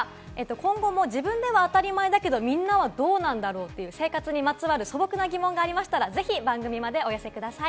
今後も自分では当たり前だけどみんなはどうなんだろう？っていう生活にまつわる素朴な疑問がありましたら、ぜひ番組までお寄せください。